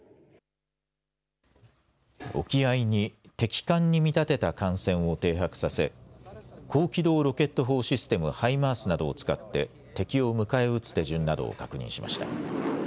沖合に敵艦に見立てた艦船を停泊させ高機動ロケット砲システム、ハイマースなどを使って敵を迎え撃つ手順などを確認しました。